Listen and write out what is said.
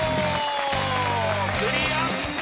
クリア！